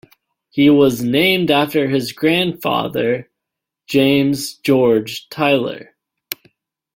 He was named after his grandfather, James George Tyler.